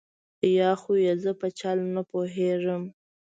یا خو یې زه په چل نه پوهېږم.